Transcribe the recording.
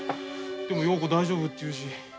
でも陽子大丈夫って言うし。